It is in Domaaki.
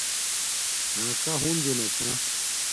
راکا ہنزہ نا چھا